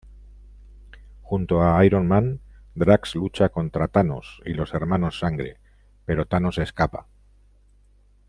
Junto a Iron Man, Drax lucha contra Thanos y los Hermanos Sangre, pero Thanos escapa.